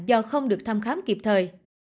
do không được thăm khám kịp thời